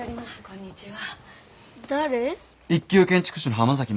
こんにちは。